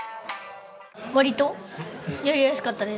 割とやりやすかったです。